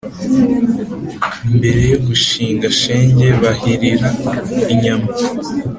mbere yo guhinga Shenge bahirira inyana